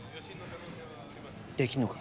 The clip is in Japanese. できるのか？